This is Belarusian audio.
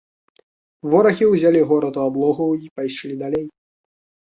Ворагі ўзялі горад у аблогу і пайшлі далей.